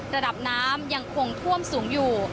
ระดับน้ำยังคงท่วมสูงอยู่